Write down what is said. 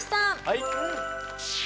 はい。